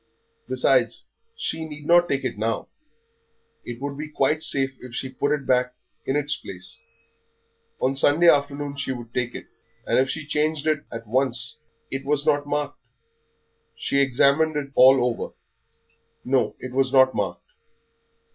Besides, she need not take it now. It would be quite safe if she put it back in its place; on Sunday afternoon she would take it, and if she changed it at once It was not marked. She examined it all over. No, it was not marked.